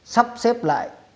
sắp xếp lại